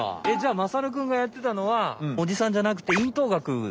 えっじゃあまさるくんがやってたのはおじさんじゃなくて咽頭がく。